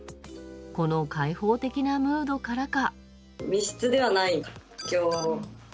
この開放的なムードからか。